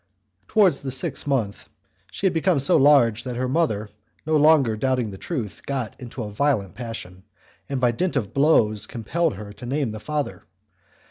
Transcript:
Towards the sixth month she had become so large, that her mother, no longer doubting the truth, got into a violent passion, and by dint of blows compelled her to name the father.